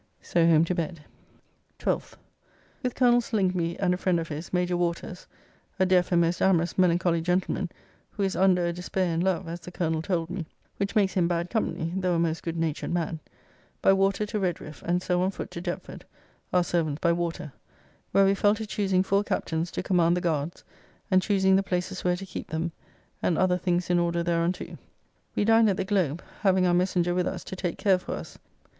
So home to bed. 12th. With Colonel Slingsby and a friend of his, Major Waters (a deaf and most amorous melancholy gentleman, who is under a despayr in love, as the Colonel told me, which makes him bad company, though a most good natured man), by water to Redriffe, and so on foot to Deptford (our servants by water), where we fell to choosing four captains to command the guards, and choosing the places where to keep them, and other things in order thereunto. We dined at the Globe, having our messenger with us to take care for us.